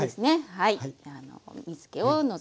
はい。